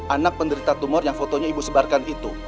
anak penderita tumor yang fotonya ibu sebarkan itu